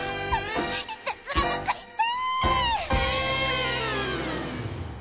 いたずらばっかりして！